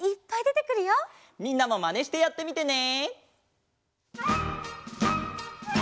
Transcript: みんなもマネしてやってみてね！